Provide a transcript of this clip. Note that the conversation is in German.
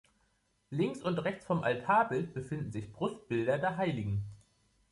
Links und rechts vom Altarbild befinden sich Brustbilder der hl.